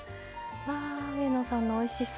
ああ上野さんのおいしそう。